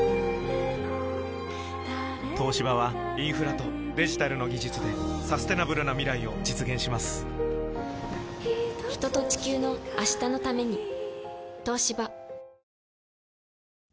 東芝はインフラとデジタルの技術でサステナブルな未来を実現します人と、地球の、明日のために。